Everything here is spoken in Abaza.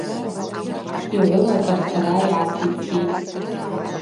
Йгӏвылакӏ ртара йгӏатыцӏитӏ.